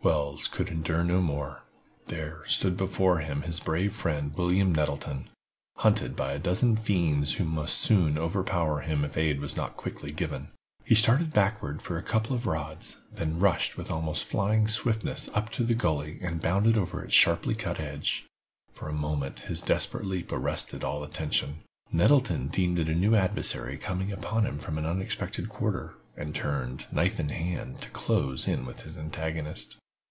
Wells could endure no more. There stood before him his brave friend William Nettleton, hunted by a dozen fiends who must soon overpower him if aid was not quickly given. He started backward for a couple of rods, then rushed with almost flying swiftness up to the gully, and bounded over its sharply cut edge. For a moment his desperate leap arrested all attention. Nettleton deemed it a new adversary coming upon him from an unexpected quarter, and turned, knife in hand, to close in with his antagonist.